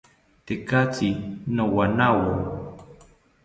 Tekatzi nowanawo